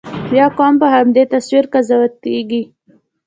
بیا قوم په همدې تصویر قضاوتېږي.